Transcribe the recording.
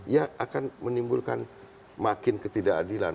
ya akan menimbulkan makin ketidakadilan